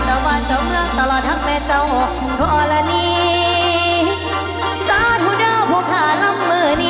จ้าตอนย้อนจ้าตอนย้อนจ้าตอนย้อนตอนย้อนตอนย้อน